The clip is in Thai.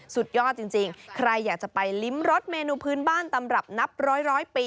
สุดยอดจริงใครอยากจะไปลิ้มรสเมนูพื้นบ้านตำรับนับร้อยปี